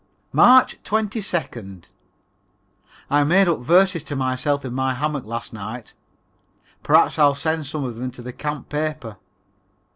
March 22d. I made up verses to myself in my hammock last night. Perhaps I'll send some of them to the camp paper.